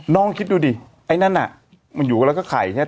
น้องคิดดูดิไอ้นั่นน่ะมันอยู่แล้วก็ไข่ใช่ไหม